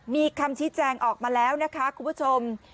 มีคำชี้แจงออกมาแล้วนะคะคุณผู้ชม